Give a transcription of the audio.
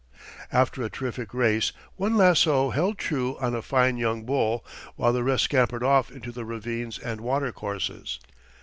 "After a terrific race one lasso held true on a fine young bull, while the rest scampered off into the ravines and water courses.